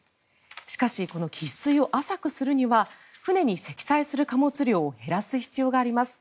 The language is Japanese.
しかし、この喫水を浅くするには船に積載する貨物量を減らす必要があります。